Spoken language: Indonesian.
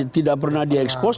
tidak pernah di expose